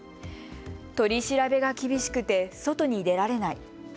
取り調べが厳しくて外に出られない。